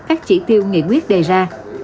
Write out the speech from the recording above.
các chỉ tiêu nghị quyết đề ra